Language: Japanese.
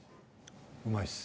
うまいっす。